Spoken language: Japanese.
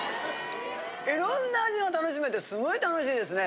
いろんな味を楽しめてすごい楽しいですね。